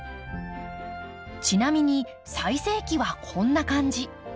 ちなみに最盛期はこんな感じ。